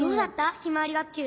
ひまわりがっきゅう。